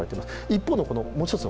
一方で、もう一つ